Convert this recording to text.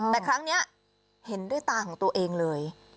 แต่ครั้งนี้เห็นด้วยตาของตัวเองเลย